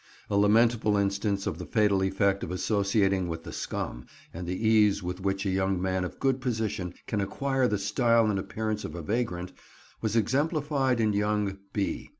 A lamentable instance of the fatal effect of associating with the scum, and the ease with which a young man of good position can acquire the style and appearance of a vagrant, was exemplified in young B—.